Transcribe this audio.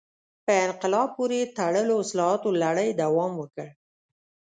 په انقلاب پورې تړلو اصلاحاتو لړۍ دوام وکړ.